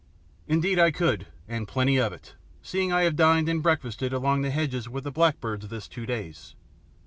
"Indeed I could, and plenty of it, seeing I have dined and breakfasted along the hedges with the blackbirds this two days.